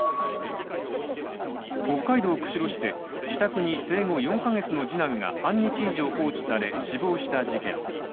北海道釧路市で自宅に生後４ヶ月の次男が半日以上放置され死亡した事件。